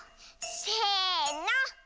せの。